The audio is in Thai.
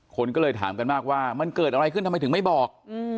คนก็เลยถามกันมากว่ามันเกิดอะไรขึ้นทำไมถึงไม่บอก